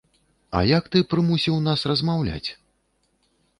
А як ты прымусіў нас размаўляць?